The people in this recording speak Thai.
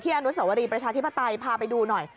อนุสวรีประชาธิปไตยพาไปดูหน่อย